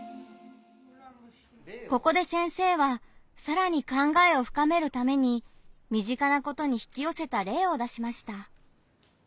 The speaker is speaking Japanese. ここで先生はさらに考えを深めるために身近なことに引きよせた例を出しました。